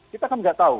kita kan nggak tahu